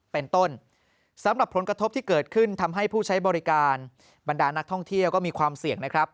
เป็นต้นสำหรับผลกระทบที่เกิดขึ้นทำให้ผู้ใช้บริการบรรดานักท่องเที่ยวก็มีความเสี่ยงนะครับ